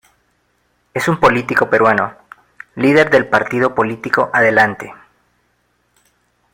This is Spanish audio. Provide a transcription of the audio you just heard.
Es un político peruano, líder del Partido Político Adelante.